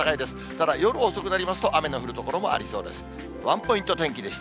ただ、夜遅くなりますと、雨の降る所もありそうです。